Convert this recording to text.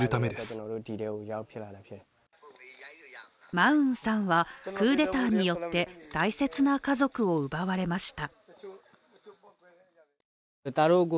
マウンさんはクーデターによって大切な家族を奪われました。